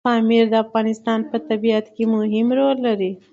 پامیر د افغانستان په طبیعت کې مهم رول لري.